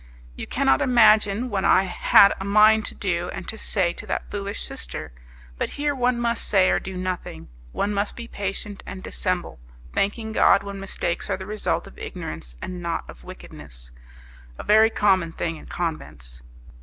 "You cannot imagine what I had a mind to do and to say to that foolish sister; but here one must say or do nothing; one must be patient and dissemble, thanking God when mistakes are the result of ignorance and not of wickedness a very common thing in convents.